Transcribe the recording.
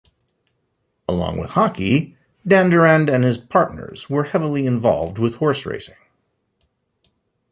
Along with hockey, Dandurand and his partners were heavily involved with horse racing.